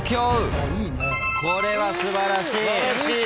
これは素晴らしい。